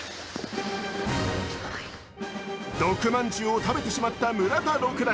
毒まんじゅうを食べてしまった村田六段。